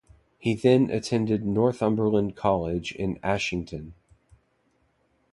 He then attended Northumberland College in Ashington.